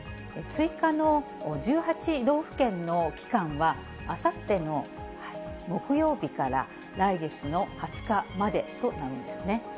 追加の１８道府県の期間は、あさっての木曜日から来月の２０日までとなるんですね。